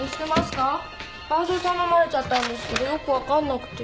伴奏頼まれちゃったんですけどよく分かんなくて。